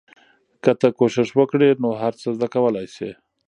که ته کوشش وکړې نو هر څه زده کولای سې.